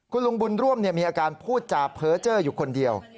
คุณลุงบุญร่วมมีอาการพูดจาเพ้อเจอร์อยู่คนเดียว